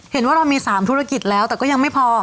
เห็นว่าเรามี๓ธุรกิจแล้วแต่ก็ยังไม่พอ